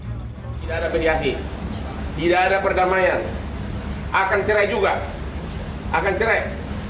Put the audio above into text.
tidak ada mediasi tidak ada perdamaian akan cerai juga akan cerai